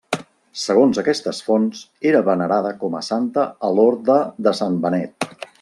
Segons aquestes fonts, era venerada com a santa a l'Orde de Sant Benet.